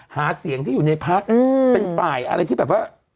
หาเสียงที่อยู่ในพักเป็นฝ่ายอะไรที่แบบว่า